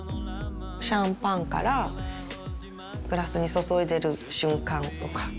シャンパンからグラスに注いでる瞬間とか。